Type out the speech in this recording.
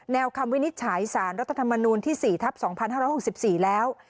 แนวคำวินิจฉายศาลรัฐธรรมนูลที่๔ทับแล้ว